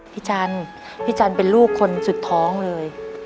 จันพี่จันเป็นลูกคนสุดท้องเลย